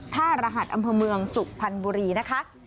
ท่ารหัสอำเภอเมืองสุพรรณบุรีนะคะ